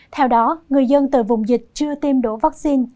theo đó người dân từ vùng dịch chưa tiêm đổ vaccine